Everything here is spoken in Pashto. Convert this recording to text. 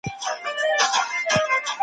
د سياست اصلي موخه د نظم ساتل دي.